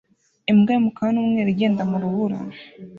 Imbwa y'umukara n'umweru igenda mu rubura